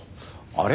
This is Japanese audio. あれ？